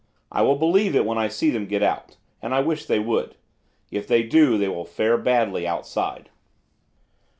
I will believe it when I see them get out, and I wish they would. If they do, they will fare badly outside."